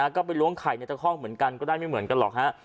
ก็ไปล้วงไข่ในตะห้องเหมือนกันก็ได้ไม่เหมือนกันหรอกฮะ